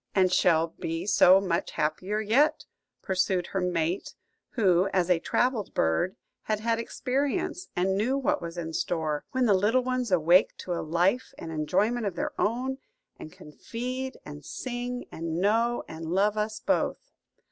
"And shall be so much happier yet," pursued her mate, who, as a travelled bird, had had experience, and knew what was in store; "when the little ones awake to a life and enjoyment of their own, and can feed and sing, and know and love us both."